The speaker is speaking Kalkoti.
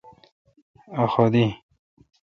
اؘ حد اؘئ۔